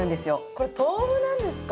これ豆腐なんですか？